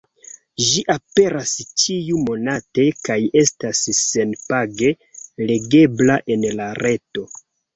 Ĝi aperas ĉiu-monate, kaj estas sen-page legebla en la reto.